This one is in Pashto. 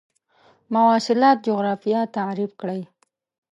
مواصلات جغرافیه تعریف کړئ.